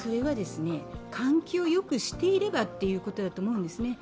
換気をよくしていればということだと思うんですね。